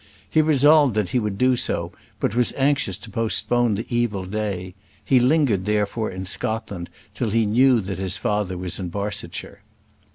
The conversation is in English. He resolved that he would do so, but was anxious to postpone the evil day. He lingered therefore in Scotland till he knew that his father was in Barsetshire.